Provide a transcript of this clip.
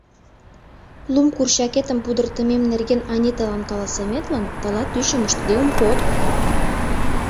Лум курчакетым пудыртымем нерген Аниталан каласыметлан тылат ӱчым ыштыде ом код.